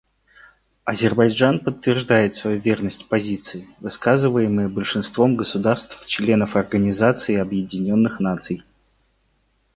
Азербайджан подтверждает свою верность позиции, высказываемой большинством государств-членов Организации Объединенных Наций.